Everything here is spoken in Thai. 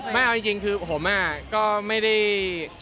ไม่เอาจริงคือผมก็ไม่ได้